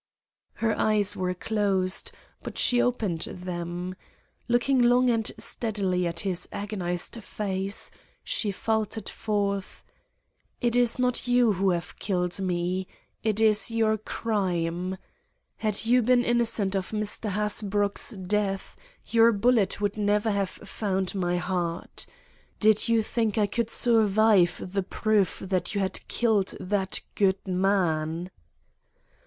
Her eyes were closed, but she opened them. Looking long and steadily at his agonized face, she faltered forth: "It is not you who have killed me; it is your crime. Had you been innocent of Mr. Hasbrouck's death, your bullet would never have found my heart. Did you think I could survive the proof that you had killed that good man?"